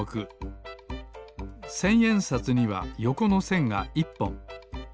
せんえんさつにはよこのせんが１ぽん。